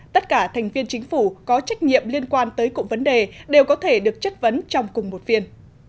tất cả thành viên chính phủ có trách nhiệm liên quan tới cụm vấn đề đều có thể được chất vấn trong cùng một phiên